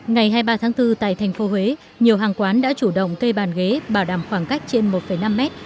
ngày hai mươi ba tháng bốn tại thành phố huế nhiều hàng quán đã chủ động cây bàn ghế bảo đảm khoảng cách trên một năm mét